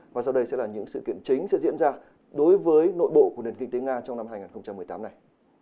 và sau đây sẽ là những sự kiện chính sẽ diễn ra đối với nội bộ của nền kinh tế nga trong năm hai nghìn một mươi tám này